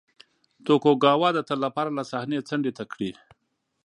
توکوګاوا د تل لپاره له صحنې څنډې ته کړي.